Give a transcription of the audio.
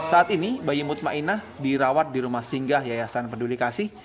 saat ini bayi mutma inah dirawat di rumah singgah yayasan penduduk kasih